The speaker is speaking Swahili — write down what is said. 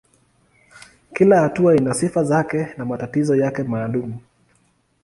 Kila hatua ina sifa zake na matatizo yake maalumu.